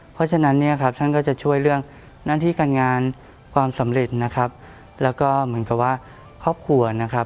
เพราะฉะนั้นท่านก็จะช่วยเรื่องหน้าที่การงานความสำเร็จและก็เหมือนกับว่าครอบครัว